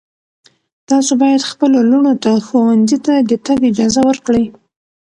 تاسو باید خپلو لوڼو ته ښوونځي ته د تګ اجازه ورکړئ.